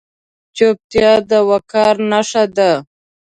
چوپتیا، د وقار نښه ده.